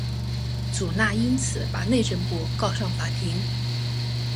祖纳因此把内政部告上法庭。